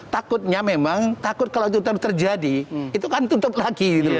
takutnya memang takut kalau itu terjadi itu kan tutup lagi